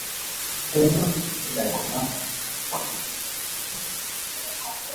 Formerly, their tails would be docked and banged.